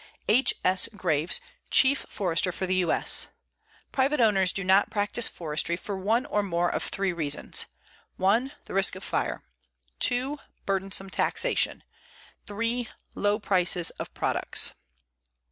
H. S. Graves, Chief Forester for the U. S.: "Private owners do not practice forestry for one or more of three reasons: 1. The risk of fire. 2. Burdensome taxation. 3. Low prices of products."